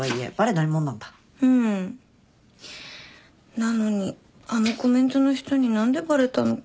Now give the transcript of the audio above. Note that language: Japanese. なのにあのコメントの人に何でバレたのか。